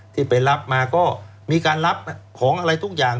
ที่ไปรับมาก็มีการรับของอะไรทุกอย่าง